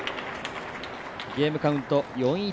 ゲームカウント４−１。